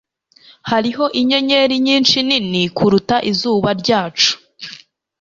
Hariho inyenyeri nyinshi nini kuruta izuba ryacu.